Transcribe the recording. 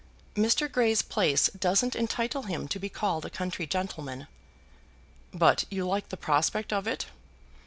"Mr. Grey's place doesn't entitle him to be called a country gentleman." "But you like the prospect of it?"